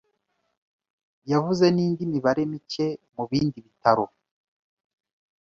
Yavuze n’indi mibare micye mu bindi bitaro.